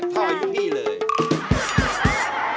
๑๘ท่อยุ่นที่เลย